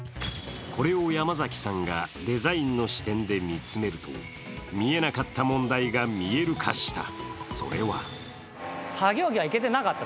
これを山崎さんがデザインの視点で見つめると、見えなかった問題が見える化した。